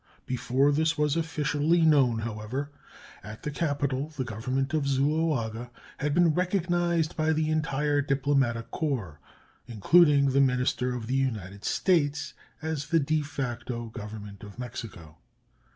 Before this was officially known, however, at the capital the Government of Zuloaga had been recognized by the entire diplomatic corps, including the minister of the United States, as the de facto Government of Mexico.